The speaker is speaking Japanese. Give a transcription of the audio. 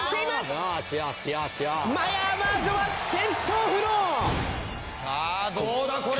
さぁどうだこれ！